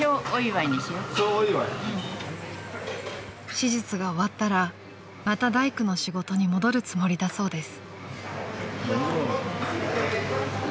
［手術が終わったらまた大工の仕事に戻るつもりだそうです］